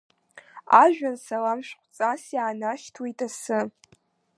Ажәҩан саламшәҟәҵас иаанашьҭуеит асы…